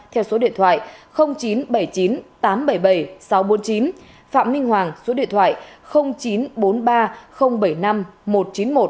theo số điện thoại chín trăm bảy mươi chín tám trăm bảy mươi bảy sáu trăm bốn mươi chín phạm minh hoàng số điện thoại chín trăm bốn mươi ba bảy mươi năm một trăm chín mươi một